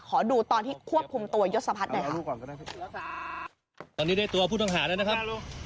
ขอดูตอนที่ควบคุมตัวยกฎสะพัดหน่อยครับ